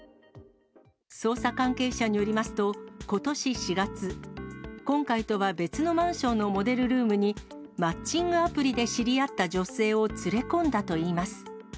捜査関係者によりますと、ことし４月、今回とは別のマンションのモデルルームに、マッチングアプリで知り合った女性を連れ込んだといいます。